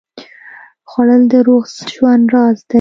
خوړل د روغ ژوند راز دی